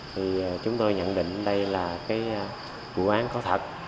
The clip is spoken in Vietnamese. thì chúng tôi nhận định đây là cái vụ án có thật